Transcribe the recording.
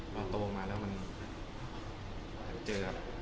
พอโตมาแล้วมันเจอ